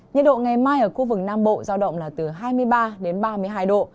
nhiệt độ ngày mai ở khu vực nam bộ giao động là từ hai mươi ba đến ba mươi hai độ